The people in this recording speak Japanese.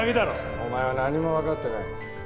お前は何もわかってない。